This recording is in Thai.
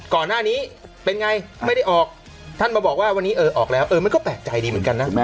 ก่อนหน้านี้เป็นไงไม่ได้ออกท่านมาบอกว่าวันนี้เออออกแล้วเออมันก็แปลกใจดีเหมือนกันนะ